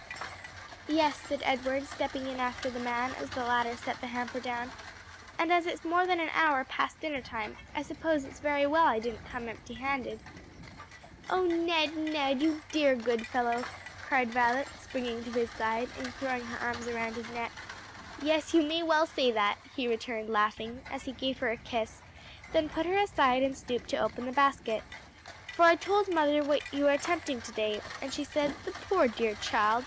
"Yes," said Edward, stepping in after the man as the latter set the hamper down; "and as it's more than an hour past dinner time, I suppose it's very well I didn't come empty handed." "O Ned, Ned, you dear, good fellow!" cried Violet, springing to his side and throwing her arms around his neck. "Yes, you may well say that!" he returned, laughing, as he gave her a kiss, then put her aside and stooped to open the basket, "for I told mother what you were attempting to day, and she said 'The poor, dear child!